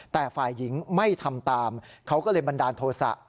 แต่ฝ่ายหญิงไม่ทำตามเขาก็เลยบันดาลโทษะ